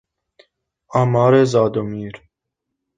آمار زاد و میر